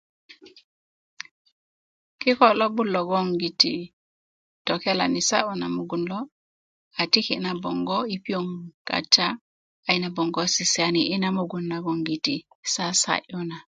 kikö lo'but logologiti tokelani sa'yu na mugun lo a tiki na boŋgo yi piyoŋ kata a ina boŋgo sisiyani ina mugun na sasa'yu na